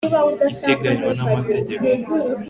iteganywa n'amategeko